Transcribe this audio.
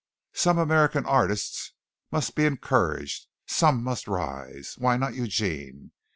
Some American artists must be encouraged some must rise. Why not Eugene?